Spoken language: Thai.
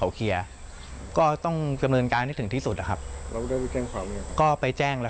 วันนี้เลยไม่กล้าเปิดร้านเลย